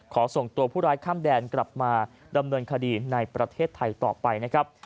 ส่งตัวผู้ร้ายข้ามแดนกลับมาดำเนินคดีในประเทศไทยต่อไปนะครับ